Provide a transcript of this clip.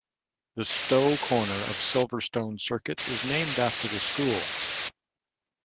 The Stowe Corner of Silverstone Circuit is named after the school.